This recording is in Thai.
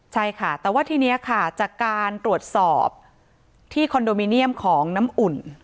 ใช่ค่ะแต่ว่าทีนี้ค่ะจากการตรวจสอบที่คอนโดมิเนียมของน้ำอุ่น